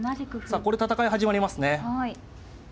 さあこれ戦い始まりますね。